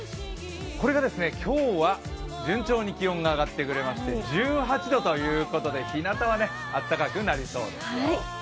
これが今日は順調に気温が上がってくれまして１８度ということで、ひなたは暖かくなりそうですよ。